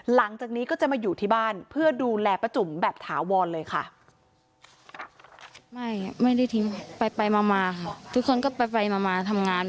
หลังจากนี้ก็จะมาอยู่ที่บ้านเพื่อดูแลป้าจุ๋มแบบถาวรเลยค่ะ